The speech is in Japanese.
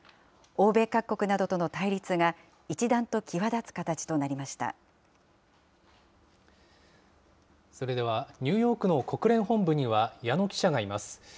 欧米各国などとの対立が一段と際それでは、ニューヨークの国連本部には矢野記者がいます。